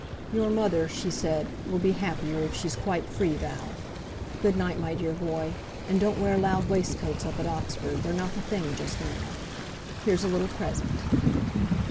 "Your mother," she said, "will be happier if she's quite free, Val. Good night, my dear boy; and don't wear loud waistcoats up at Oxford, they're not the thing just now. Here's a little present."